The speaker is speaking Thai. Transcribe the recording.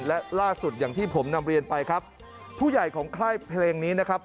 และล่าสุดอย่างที่ผมนำเรียนไปครับผู้ใหญ่ของค่ายเพลงนี้นะครับ